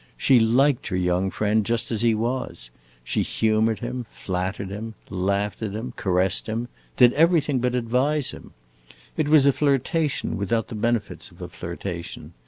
She liked her young friend just as he was; she humored him, flattered him, laughed at him, caressed him did everything but advise him. It was a flirtation without the benefits of a flirtation.